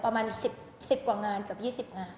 ประมาณสิบกว่างานกับยี่สิบงาน